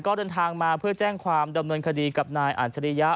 ก็เดินทางมาเพื่อแจ้งความดำเนินคดีกับนายอัจฉริยะ